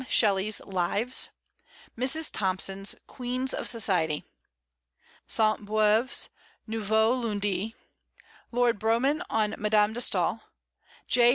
Shelly's Lives; Mrs. Thomson's Queens of Society; Sainte Beuve's Nouveaux Lundis; Lord Brougham on Madame de Staël; J.